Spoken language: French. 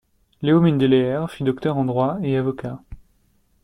Leo Mundeleer fut docteur en droit et avocat.